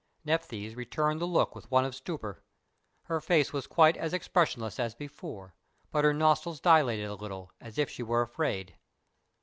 Nephthys returned the look with one of stupor. Her face was quite as expressionless as before, but her nostrils dilated a little, as if she were afraid.